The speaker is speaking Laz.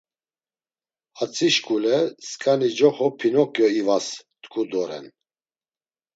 Hatzi şkule, skani coxo Pinokyo ivas, tku doren.